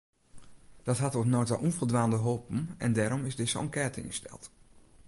Dat hat oant no ta ûnfoldwaande holpen en dêrom is dizze enkête ynsteld.